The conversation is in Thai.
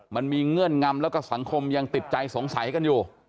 เงื่อนงำแล้วก็สังคมยังติดใจสงสัยกันอยู่